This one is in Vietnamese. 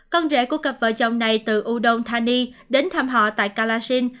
con rể của cặp vợ chồng này từ udon thani đến thăm họ tại karacil